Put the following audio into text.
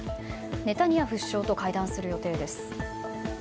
ネタニヤフ首相と会談する予定です。